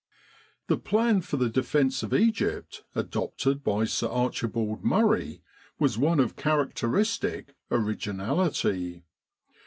86 Kantara and Katia The plan for the defence of Egypt adopted by Sir Archibald Murray was one of characteristic originality.